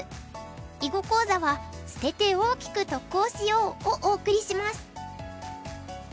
囲碁講座は「捨てて大きく得をしよう」をお送りします。